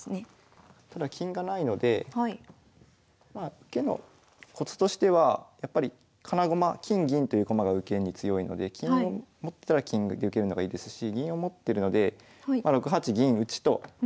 受けのコツとしてはやっぱり金駒金銀という駒が受けに強いので金を持ってたら金で受けるのがいいですし銀を持ってるのでまあ６八銀打と受ける。